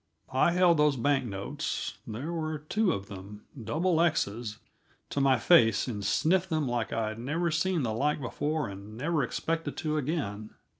I held those bank notes there were two of them, double XX's to my face and sniffed them like I'd never seen the like before and never expected to again.